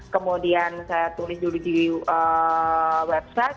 kemudian saya tulis dulu di website